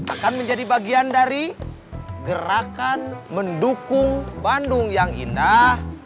akan menjadi bagian dari gerakan mendukung bandung yang indah